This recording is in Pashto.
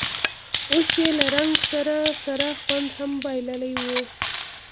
اوس یې له رنګ سره سره خوند هم بایللی و.